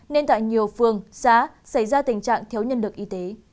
nên tại nhiều phương xá xảy ra tình trạng thiếu nhân lực y tế